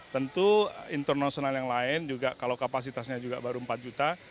tentu internasional yang lain juga kalau kapasitasnya juga baru empat juta